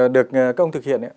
được các ông thực hiện